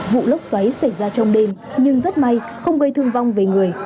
vụ lốc xoáy xảy ra trong đêm nhưng rất may không gây thương vong về người